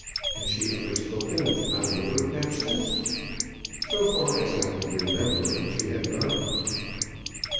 Has she ever spoken of Codliver Capsules?" So far as I could remember she had not.